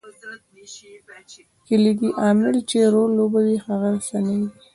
کلیدي عامل چې رول لوبوي هغه رسنۍ دي.